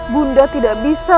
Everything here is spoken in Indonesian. bunda tidak bisa